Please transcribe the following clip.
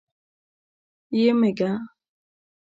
یمېږه.